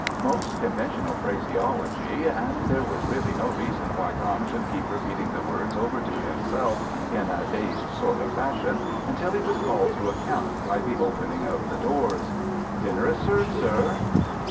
Most conventional phraseology, and there was really no reason why Tom should keep repeating the words over to himself in a dazed sort of fashion until he was called to account by the opening of the doors. "Dinner is served, sir."